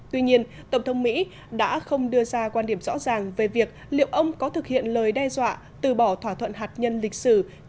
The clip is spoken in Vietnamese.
tuy nhiên tổng thống mỹ đã không đưa ra quan điểm rõ ràng về việc liệu ông có thực hiện lời đe dọa từ bỏ thỏa thuận hạt nhân lịch sử